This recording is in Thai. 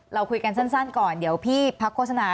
เราคุยกันสั้นก่อนเดี๋ยวพี่พักโฆษณา